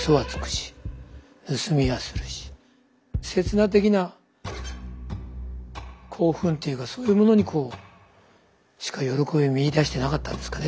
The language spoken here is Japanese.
刹那的な興奮というかそういうものにしか喜びを見いだしてなかったんですかね